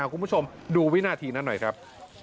คุณผู้ชมดูวินาทีนั้นหน่อยครับ